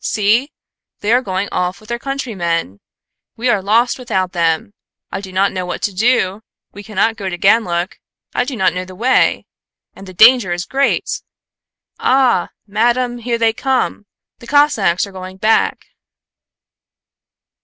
See! They are going off with their countrymen! We are lost without them. I do not know what to do. We cannot get to Ganlook; I do not know the way, and the danger is great. Ah! Madam! Here they come! The Cossacks are going back."